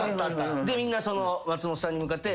みんな松本さんに向かって。